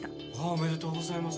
おめでとうございます。